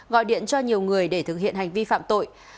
gọi điện cho nhiều người để thực hiện hành vi phạm tội